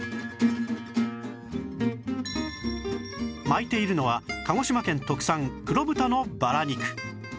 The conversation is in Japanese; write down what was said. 巻いているのは鹿児島県特産黒豚のバラ肉